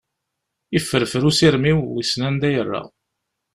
Yefferfer usirem-iw, wissen anda yerra.